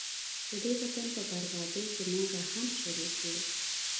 ددې وطن په بربادۍ کي موږه هم شریک وو